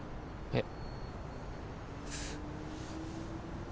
えっ？